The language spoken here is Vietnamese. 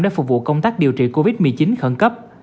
để phục vụ công tác điều trị covid một mươi chín khẩn cấp